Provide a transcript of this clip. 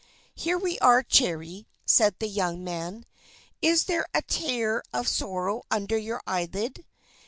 "Here we are, Cherry," said the young man. "Is there a tear of sorrow under your eyelid?